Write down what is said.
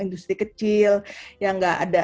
industri kecil yang nggak ada